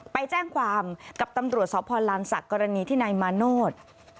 ไปแจ้งความกับตำรวจสพลานศักดิ์กรณีที่นายมาโนธ